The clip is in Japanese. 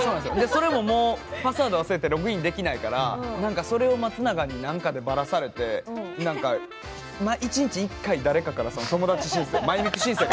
それももうパスワード忘れてログインできないからそれを松永に何かでばらされて何か１日１回誰かから友達申請